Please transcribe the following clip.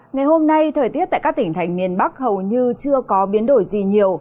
ngày hôm nay thời tiết tại các tỉnh thành miền bắc hầu như chưa có biến đổi gì nhiều